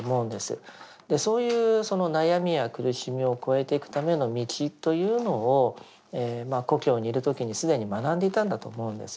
そういうその悩みや苦しみを超えていくための道というのを故郷にいる時に既に学んでいたんだと思うんです。